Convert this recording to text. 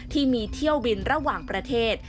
ที่มีเที่ยวบินระหว่างประเทศ